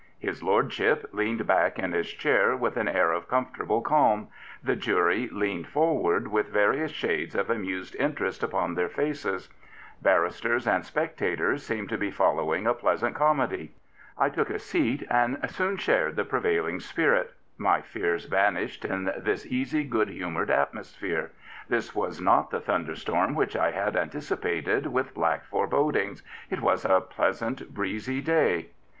His lordship leaned back in his chair with an air of comfortable calm; the jury leaned forward with various shades of amused interest upon their faces; barristers and spectators seemed to be following a pleasant comedy. I took a seat and soon shared the prevailing spirit. My fears vanished in this easy, good humoured atmosphere. This was not the thunderstorm which I had antici pated with black forebodings. It was a pleasant, breezy day.